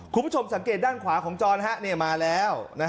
คุณผู้ชมสังเกตด้านขวาของจรมาแล้ว